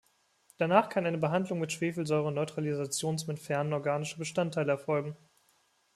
Danach kann eine Behandlung mit Schwefelsäure und Neutralisation zum Entfernen organischer Bestandteile erfolgen.